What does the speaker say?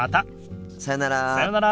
さようなら。